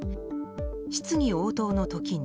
質疑応答の時に。